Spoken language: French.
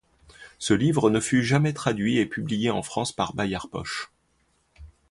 Ce livre ne fut jamais traduit et publié en France par Bayard Poche.